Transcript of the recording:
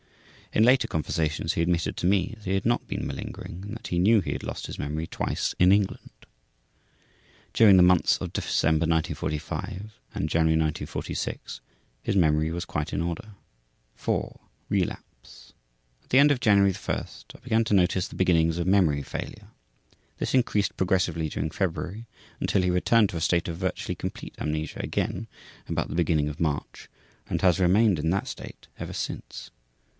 In later conversations he admitted to me that he had not been malingering, and that he knew he had lost his memory twice in England. During the months of December 1945, and January 1946, his memory was quite in order. 4. Relapse. At the end of January I began to notice the beginnings of memory failure. This increased progressively during February, until he returned to a state of virtually complete amnesia again about the beginning of March, and he has remained in that state ever since.